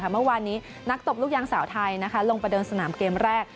เมื่อวานนี้นักตบลูกยางสาวไทยลงไปเดินสนามเกมแรก